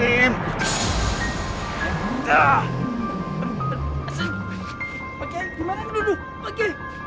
asan pak g gimana duduk